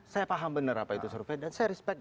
saya paham benar apa itu survei dan saya respect